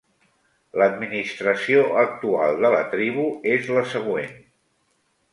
L"administració actual de la tribu és la següent.